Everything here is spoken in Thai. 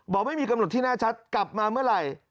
บอกไม่มีกำหนดที่แน่ชัดกลับมาเมื่อไหร่